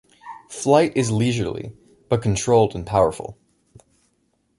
Flight is leisurely, but controlled and powerful.